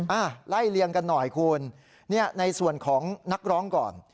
อ้าวไล่เลียงกันหน่อยคุณในส่วนของนักร้องก่อน